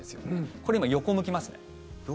これ今、横向きますね。